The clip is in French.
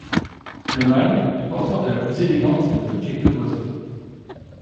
Le mâle est porteur de la plus élégante de toutes les queues d'oiseaux.